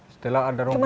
setelah ada rumput laut